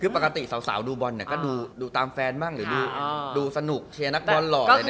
ปกติสาวนี่ก็ดูตามแฟนหรือดูเฉียนักบอลหลอย